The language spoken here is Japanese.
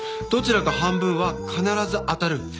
どちらか半分は必ず当たる。